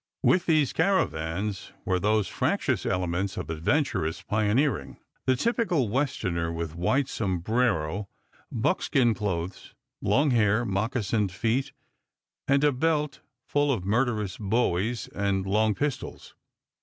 With these caravans were those fractious elements of adventurous pioneering, the typical Westerner, with white sombrero, buckskin clothes, long hair, moccasined feet, and a belt full of murderous bowies and long pistols.